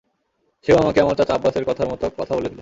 সেও আমাকে আমার চাচা আব্বাসের কথার মত কথা বলে দিল।